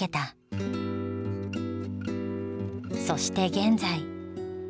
そして現在。